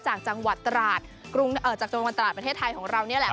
จากจังหวัดตราดประเทศไทยของเราเนี่ยแหละ